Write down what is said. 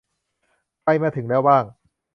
ใครมาถึงแล้วบ้าง